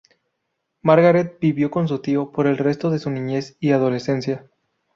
Margaret vivió con su tío por el resto de su niñez y adolescencia.